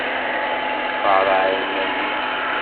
Qareɛ iman-im.